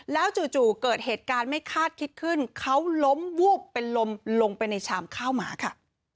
แล้วจู่เกิดเหตุการณ์ไม่คาดคิดขึ้นเขาล้มวูบเป็นลมลงไปในชามข้าวหมาค่ะ